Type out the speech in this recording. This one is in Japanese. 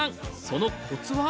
そのコツは？